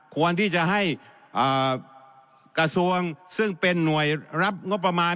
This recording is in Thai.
ควรที่จะให้กระทรวงซึ่งเป็นหน่วยรับงบประมาณ